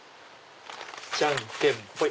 じゃんけんぽい！